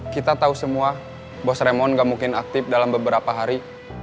kita tahu semua bosremon gak mungkin aktif dalam beberapa hari